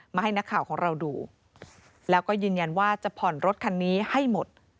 ให้นักข่าวของเราดูแล้วก็ยืนยันว่าจะผ่อนรถคันนี้ให้หมด